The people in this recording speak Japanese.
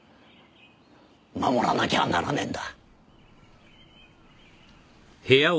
守らなきゃならねえんだ。